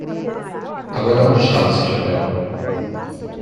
Agora onde estava esse chapéu?